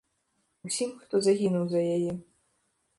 Усім, хто загінуў за яе.